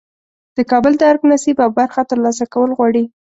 د کابل د ارګ نصیب او برخه ترلاسه کول غواړي.